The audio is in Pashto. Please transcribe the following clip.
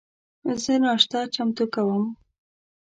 زه ناشته چمتو کوم